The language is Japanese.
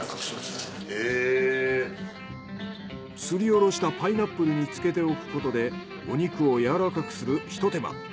すりおろしたパイナップルに漬けておくことでお肉を柔らかくするひと手間。